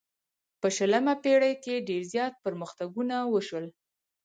په شلمه پیړۍ کې ډیر زیات پرمختګونه وشول.